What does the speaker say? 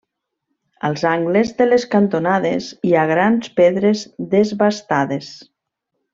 Als angles de les cantonades hi ha grans pedres desbastades.